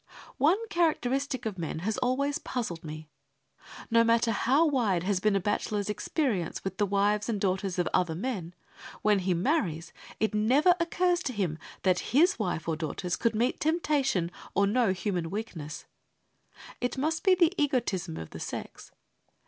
One characteristic of men has always puzzled me. No matter how wide has been a bachelor's experience with the wives and daughters of other men, when he marries it never occurs to him that his wife or daughters could meet temptation or know human weakness. It must be the egotism of the sex.